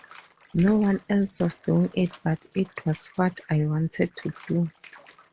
No one else was doing it, but it was what I wanted to do.